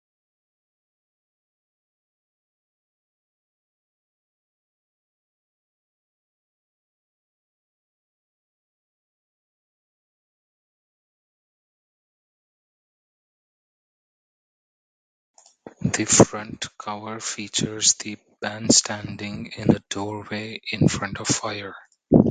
The front cover features the band standing in a doorway in front of fire.